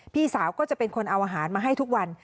พี่สาวก็จะเป็นคนเอาอาหารมาให้ทุกวัน